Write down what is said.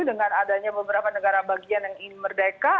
dengan adanya beberapa negara bagian yang ingin merdeka